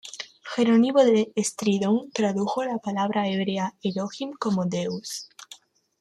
Jerónimo de Estridón tradujo la palabra hebrea Elohim como Deus.